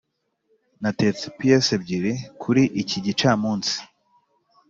natetse pies ebyiri kuri iki gicamunsi.